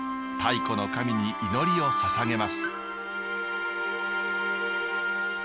太古の神に祈りをささげます。